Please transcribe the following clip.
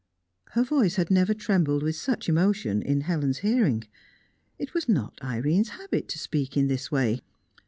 Her voice had never trembled with such emotion in Helen's hearing. It was not Irene's habit to speak in this way.